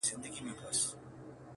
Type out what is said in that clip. شپه سوه تېره پر اسمان ختلی لمر دی؛